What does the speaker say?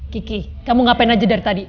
kiki kamu ngapain aja dari tadi